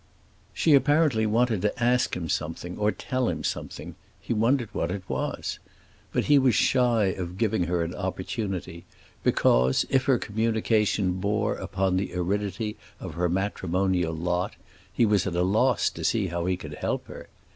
She apparently wanted to ask him something or tell him something; he wondered what it was. But he was shy of giving her an opportunity, because, if her communication bore upon the aridity of her matrimonial lot, he was at a loss to see how he could help her.